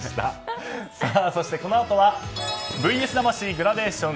そして、このあとは「ＶＳ魂グラデーション